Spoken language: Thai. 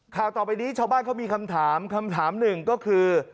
ข่าวต่อไปนี้ชาวบ้านเขามีคำถามคำถามหนึ่งก็คือ